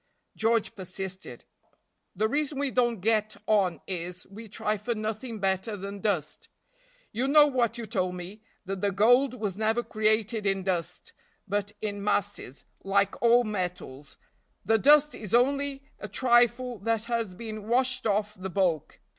George persisted. "The reason we don't get on is we try for nothing better than dust. You know what you told me, that the gold was never created in dust, but in masses, like all metals; the dust is only a trifle that has been washed off the bulk.